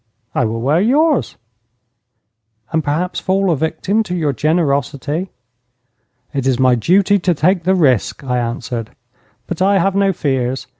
'I will wear yours.' 'And perhaps fall a victim to your generosity?' 'It is my duty to take the risk,' I answered; 'but I have no fears.